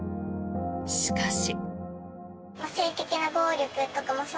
しかし。